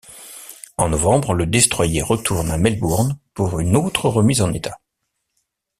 En novembre, le destroyer retourne à Melbourne pour une autre remise en état.